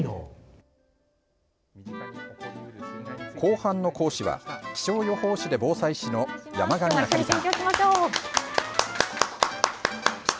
後半の講師は、気象予報士で防災士の山神明里さん。